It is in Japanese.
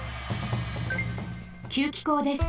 給気口です。